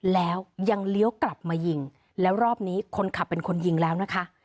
แล้วยังเลี้ยวกลับมายิงแล้วรอบนี้คนขับเป็นคนยิงแล้วนะคะ